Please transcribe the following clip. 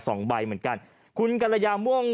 สองใบเหมือนกันคุณกรยาม่วง